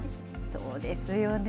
そうですよね。